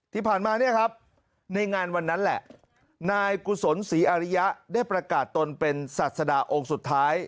ที่ผ่านมาเนี่ยครับในงานวันนั้นแหละนายกุศลศรีอาริยะได้ประกาศตนเป็นศาสดาองค์สุดท้าย